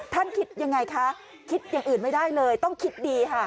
คิดยังไงคะคิดอย่างอื่นไม่ได้เลยต้องคิดดีค่ะ